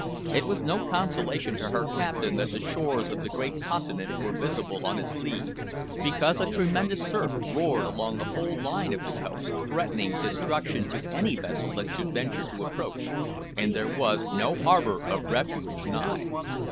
It was no consolation to her captain that the shores of the great continent were visible on his lee, because a tremendous surf roared along the whole line of coast, threatening destruction to any vessel that should venture to approach, and there was no harbour of refuge nigh.